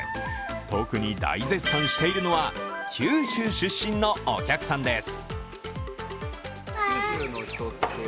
特に大絶賛しているのは、九州出身のお客さんです。